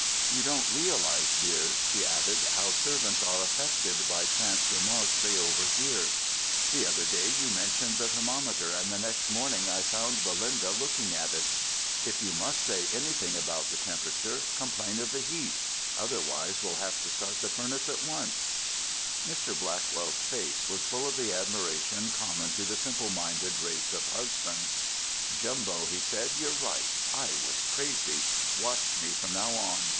"You don't realize, dear," she added, "how servants are affected by chance remarks they overhear. The other day you mentioned the thermometer, and the next morning I found Belinda looking at it. If you must say anything about the temperature, complain of the heat. Otherwise we'll have to start the furnace at once." Mr. Blackwell's face was full of the admiration common to the simple minded race of husbands. "Jumbo," he said, "you're right. I was crazy. Watch me from now on.